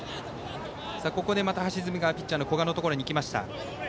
ここでまた橋爪がピッチャー、古賀のところに行きました。